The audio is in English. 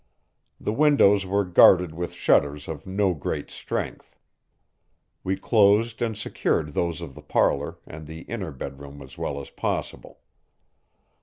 The windows were guarded with shutters of no great strength. We closed and secured those of the parlor and the inner bedroom as well as possible.